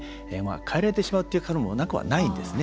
変えられてしまうっていうこともなくはないんですね。